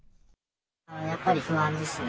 やっぱり不安ですね。